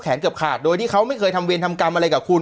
เกือบขาดโดยที่เขาไม่เคยทำเวรทำกรรมอะไรกับคุณ